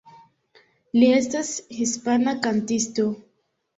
Li estas hispana kantisto.